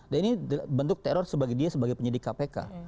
dan ini bentuk teror sebagai dia sebagai penyidik kpk